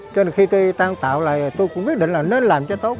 cho nên khi tôi tăng tạo lại tôi cũng quyết định là nên làm cho tốt